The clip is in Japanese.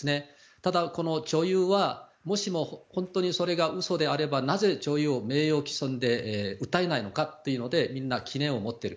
ただ、この女優は、もしも本当にそれが嘘であるならばなぜ女優を名誉棄損で訴えないのかというのでみんな疑念を持ってる。